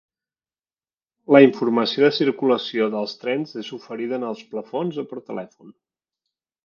La informació de circulació dels trens es oferida en el plafons o per telèfon.